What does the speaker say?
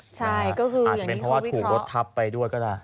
อาจจะเป็นเพราะถูกรถทัพไปด้วยก็ได้